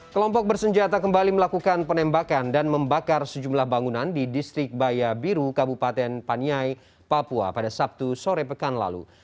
kelompok bersenjata kembali melakukan penembakan dan membakar sejumlah bangunan di distrik baya biru kabupaten paniai papua pada sabtu sore pekan lalu